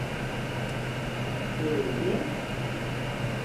Eğildi...